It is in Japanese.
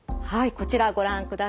こちらご覧ください。